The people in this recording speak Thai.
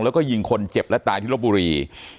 แล้วก็ยิงคนเจ็บและตายที่ลบบุรี